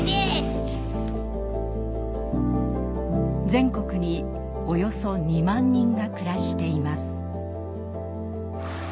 全国におよそ２万人が暮らしています。